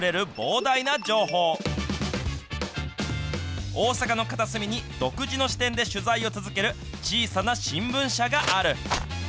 大阪の片隅に独自の視点で取材を続ける小さな新聞社がある。